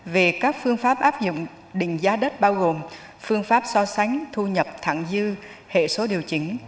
về các phương pháp áp dụng định giá đất bao gồm phương pháp so sánh thu nhập thẳng dư hệ số điều chỉnh